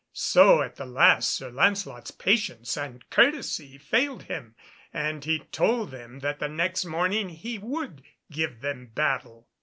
So at the last Sir Lancelot's patience and courtesy failed him, and he told them that the next morning he would give them battle.